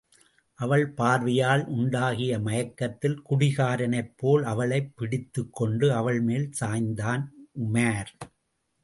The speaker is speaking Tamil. அவள் பார்வையால் உண்டாகிய மயக்கத்தில் குடிகாரனைப் போல், அவளைப் பிடித்துக் கொண்டு அவள் மேல் சாய்ந்தான் உமார்.